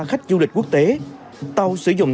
khách du lịch quốc tế tàu sử dụng